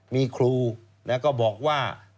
มีครูแล้วก็บอกว่า